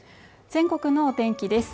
全国のお天気です